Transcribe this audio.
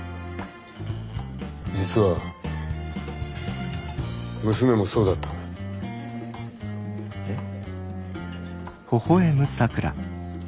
実は娘もそうだったんだ。えっ？